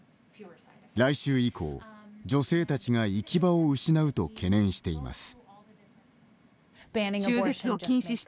来週以降、女性たちが行き場を失うと懸念しています。